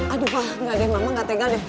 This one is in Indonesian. aduh pak engga deh mama gak tegan ya